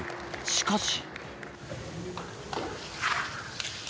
しかし。